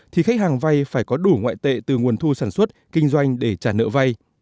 thì khách hàng vay phải có đủ ngoại tệ từ nguồn thu sản xuất kinh doanh để trả nợ vay